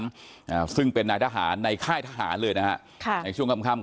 อ่าซึ่งเป็นนายทหารในค่ายทหารเลยนะฮะค่ะในช่วงค่ำค่ำ